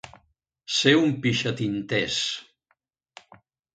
Ser un pixatinters.